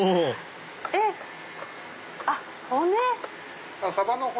えっ⁉あっ骨！